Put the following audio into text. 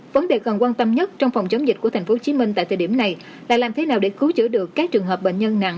vấn đề cần quan tâm nhất trong phòng chống dịch của tp hcm tại thời điểm này là làm thế nào để cứu chữa được các trường hợp bệnh nhân nặng